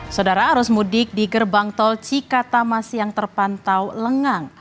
saudara arus mudik di gerbang tol cikatamas yang terpantau lengang